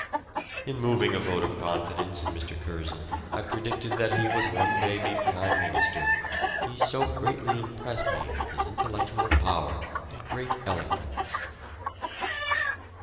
In moving a vote of confidence in Mr. Curzon I predicted that he would one day be Prime Minister, he so greatly impressed me with his intellectual power and great eloquence.